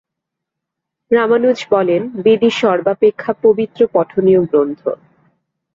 রামানুজ বলেন, বেদই সর্বাপেক্ষা পবিত্র পঠনীয় গ্রন্থ।